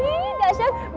ih gak syuk